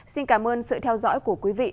xin cảm ơn sự theo dõi của quý vị